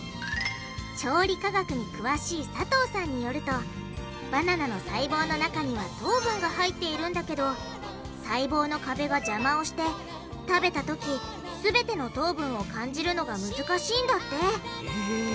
調理科学に詳しい佐藤さんによるとバナナの細胞の中には糖分が入っているんだけど細胞の壁が邪魔をして食べたとき全ての糖分を感じるのが難しいんだってへぇ。